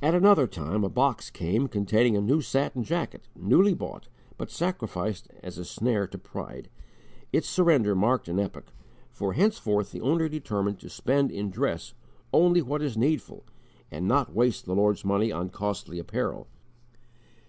At another time, a box came containing a new satin jacket, newly bought, but sacrificed as a snare to pride. Its surrender marked an epoch, for henceforth the owner determined to spend in dress only what is needful, and not waste the Lord's money on costly apparel.